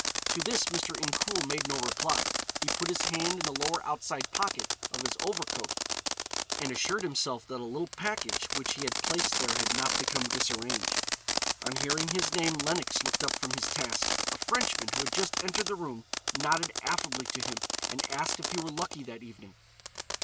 To this Mr. Incoul made no reply. He put his hand in a lower outside pocket of his overcoat and assured himself that a little package which he had placed there had not become disarranged. On hearing his name, Lenox looked up from his task. A Frenchman who had just entered the room nodded affably to him and asked if he were lucky that evening.